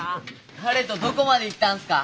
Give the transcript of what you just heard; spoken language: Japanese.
彼とどこまでいったんですか？